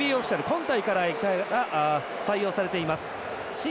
今大会から採用されています。